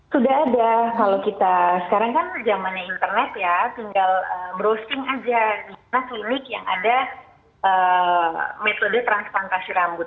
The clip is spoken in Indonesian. sudah ada kalau kita sekarang kan zamannya internet ya tinggal browsing aja di mana klinik yang ada metode transplantasi rambut